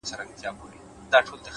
مثبت فکر ذهن روښانه ساتي،